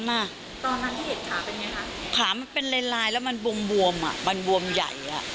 ตอนนั้นที่เห็นขาเป็นไงคะขามันเป็นลายลายแล้วมันบวมอ่ะมันบวมใหญ่อ่ะ